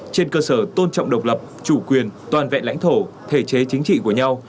trên cơ sở tôn trọng độc lập chủ quyền toàn vẹn lãnh thổ thể chế chính trị của nhau